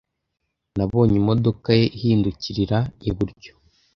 Nabonye imodoka ye ihindukirira iburyo.